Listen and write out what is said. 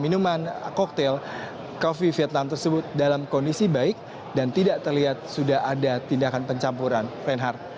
dia tidak melihat apakah jessica memasukkan cocktail coffee vietnam tersebut dalam kondisi baik dan tidak terlihat sudah ada tindakan pencampuran red heart